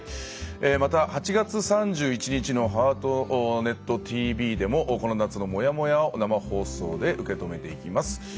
また８月３１日の「ハートネットＴＶ」でもこの夏のもやもやを生放送で受け止めていきます。